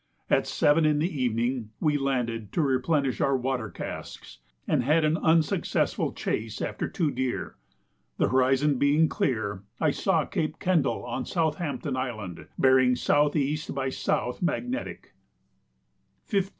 At 7 in the evening we landed to replenish our water casks, and had an unsuccessful chase after two deer. The horizon being clear, I saw Cape Kendall on Southampton Island, bearing S.E. by S. magnetic. 15th.